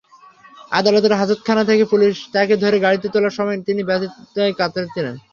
আদালতের হাজতখানা থেকে পুলিশ তাঁকে ধরে গাড়িতে তোলার সময় তিনি ব্যথায় কাতরাচ্ছিলেন।